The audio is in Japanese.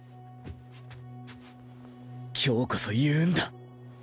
今日こそ言うんだ